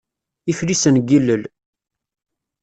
Iflisen n yilel